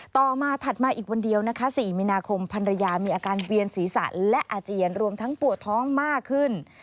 ต่อมาถัดมาอีกวันเดียวนะคะ๔มีนาคมภรรยามีอาการเวียนศีรษะและอาเจียนรวมทั้งปวดท้องมากขึ้น